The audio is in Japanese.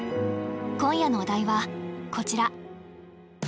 今夜のお題はこちら。